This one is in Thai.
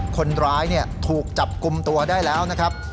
คนร้ายถูกจับกลุ่มตัวได้แล้วนะครับ